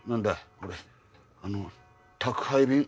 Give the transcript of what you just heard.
ほれあの宅配便